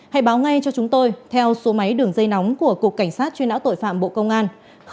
hãy báo ngay cho chúng tôi theo số máy đường dây nóng của cục cảnh sát truy nã tội phạm bộ công an